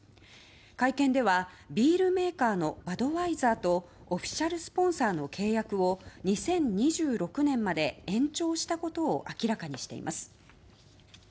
会見ではビールメーカーのバドワイザーとオフィシャルスポンサーの契約を２０２６年まで延長したことを明らかにしています。